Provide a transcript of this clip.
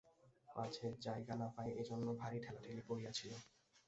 পাছে জায়গা না পায় এজন্য ভারি ঠেলাঠেলি পড়িয়াছিল।